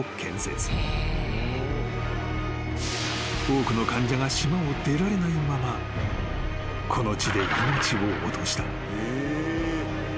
［多くの患者が島を出られないままこの地で命を落とした］